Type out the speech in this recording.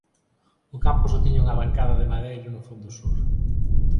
O campo só tiña unha bancada de madeira no fondo sur.